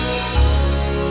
jangan sabar ya rud